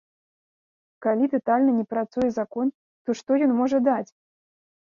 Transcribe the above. Калі татальна не працуе закон, то што ён можа даць?